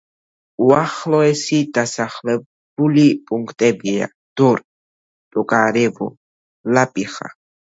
უახლოესი დასახლებული პუნქტებია: დორ, ტოკარევო, ლაპიხა.